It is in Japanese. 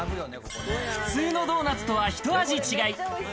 普通のドーナツとは一味違い。